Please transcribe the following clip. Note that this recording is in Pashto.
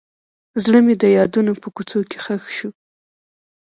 زړه مې د یادونو په کوڅو کې ښخ شو.